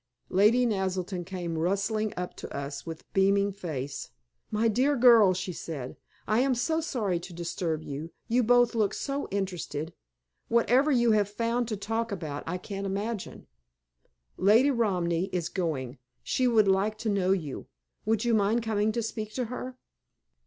Lady Naselton came rustling up to us with beaming face. "My dear girl," she said, "I am so sorry to disturb you, you both look so interested. Whatever you have found to talk about I can't imagine. Lady Romney is going; she would so like to know you. Would you mind coming to speak to her?"